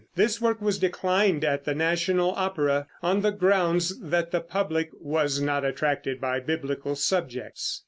This work was declined at the national opera, on the ground that the public was not attracted by Biblical subjects.